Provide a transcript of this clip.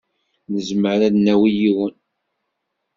Nezmer ad d-nawi yiwen.